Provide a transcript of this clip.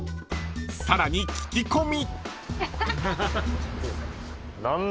［さらに聞き込み］